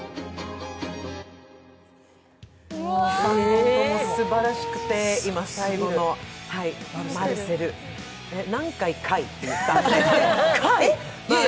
３本ともすばらしくて今最後のマルセル、何回「貝」って言ったんかい。